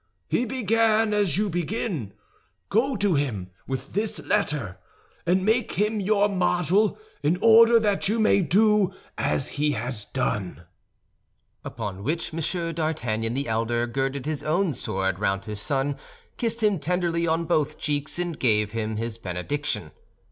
He began as you begin. Go to him with this letter, and make him your model in order that you may do as he has done." Upon which M. d'Artagnan the elder girded his own sword round his son, kissed him tenderly on both cheeks, and gave him his benediction.